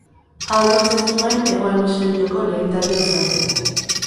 Hau lortzen zuen Hego hemisferioko lehen taldea izan zen.